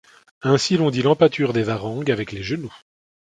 Ainsi l'on dit l'empâture des varangues avec les genoux.